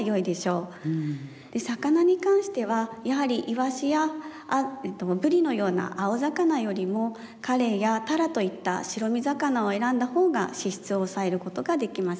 魚に関してはやはりイワシやブリのような青魚よりもカレイやタラといった白身魚を選んだほうが脂質を抑えることができます。